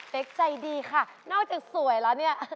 ใจดีค่ะนอกจากสวยแล้วเนี่ย